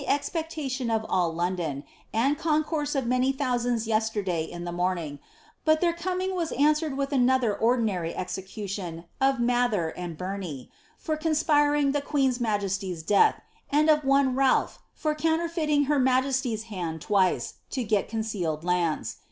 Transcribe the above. lion of alt London, and concooi of many thousands yesterday m lae morning, btit iheir coming traa ■ swered with another ordinary execution of Malher and Burney, for cc spiring ihe queen's majesty's death, and of one Ralph, for counierfeili lier majesty's hand twice, lo get concealed lands.